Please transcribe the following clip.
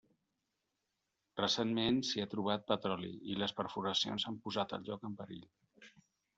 Recentment, s'hi ha trobat petroli i les perforacions han posat el lloc en perill.